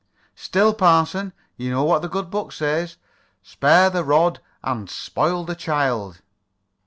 "Still, parson, you know what the Good Book says: 'Spare the rod and spoil the child.'"